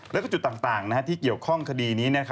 แล้วก็จุดต่างที่เกี่ยวข้องคดีนี้